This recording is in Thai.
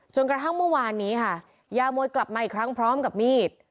จนกระทั่งเมื่อวานนี้ค่ะยามวยกลับมาอีกครั้งพร้อมกับมีด